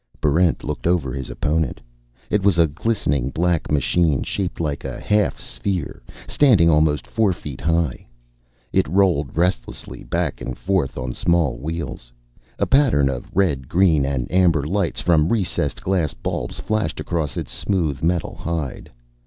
Barrent looked over his opponent. It was a glistening black machine shaped like a half sphere, standing almost four feet high. It rolled restlessly back and forth on small wheels. A pattern of red, green, and amber lights from recessed glass bulbs flashed across its smooth metal hide.